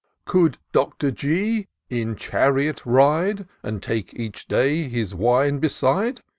Could Doctor G in chariot ride, And take each day his wine beside.